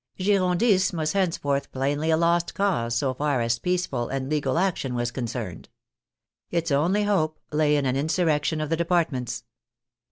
Girondism was henceforth plainly a lost cause so far as peaceful and legal action was concerned. Its only hope lay in an insurrection of the departments.